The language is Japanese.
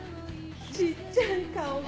ちっちゃい顔が。